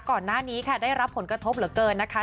ก่อนหน้านี้ค่ะได้รับผลกระทบเหลือเกินนะคะ